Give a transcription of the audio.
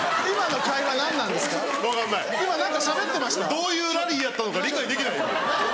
どういうラリーやったのか理解できない。